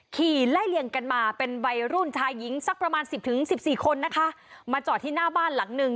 ขี่ไล่เลี่ยงกันมาเป็นวัยรุ่นชายหญิงสักประมาณสิบถึงสิบสี่คนนะคะมาจอดที่หน้าบ้านหลังหนึ่ง